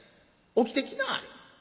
起きてきなはれ』。